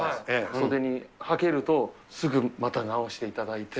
袖にはけるとすぐまた直していただいて。